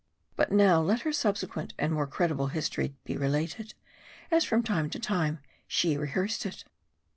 But now, let her subsequent and more credible history be related, as from time to time she rehearsed it.